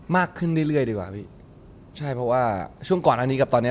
มากขึ้นเรื่อยเรื่อยดีกว่าพี่ใช่เพราะว่าช่วงก่อนอันนี้กับตอนเนี้ย